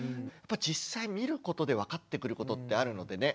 実際見ることで分かってくることってあるのでね。